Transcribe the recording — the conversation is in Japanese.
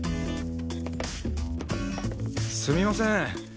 すみません。